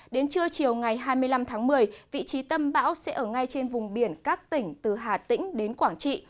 đến trưa chiều ngày hai mươi năm tháng một mươi vị trí tâm bão sẽ ở ngay trên vùng biển các tỉnh từ hà tĩnh đến quảng trị